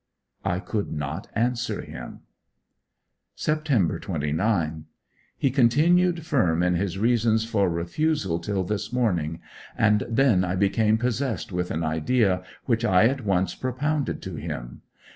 I could not answer him. Sept. 29. He continued firm in his reasons for refusal till this morning, and then I became possessed with an idea, which I at once propounded to him.